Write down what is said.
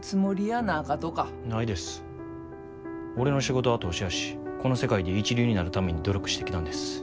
俺の仕事は投資やしこの世界で一流になるために努力してきたんです。